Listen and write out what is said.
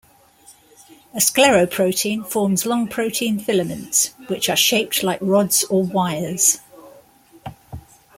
A scleroprotein forms long protein filaments, which are shaped like rods or wires.